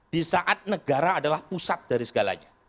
di saat negara adalah pusat dari segalanya